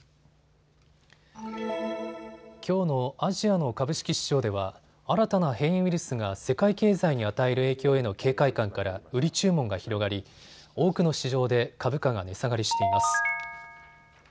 きょうのアジアの株式市場では新たな変異ウイルスが世界経済に与える影響への警戒感から売り注文が広がり多くの市場で株価が値下がりしています。